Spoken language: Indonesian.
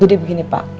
jadi begini pak